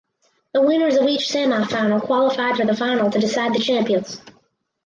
The winners of each semifinal qualified for the final to decide the champions.